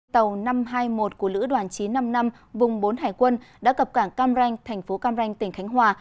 tàu năm trăm hai mươi một của lữ đoàn chín trăm năm mươi năm vùng bốn hải quân đã cập cảng cam ranh thành phố cam ranh tỉnh khánh hòa